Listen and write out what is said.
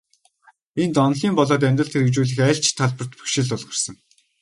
Энд, онолын болоод амьдралд хэрэгжүүлэх аль ч талбарт бэрхшээл тулгарсан.